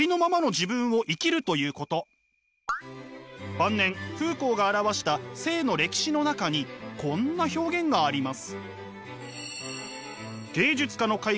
晩年フーコーが著した「性の歴史」の中にこんな表現があります。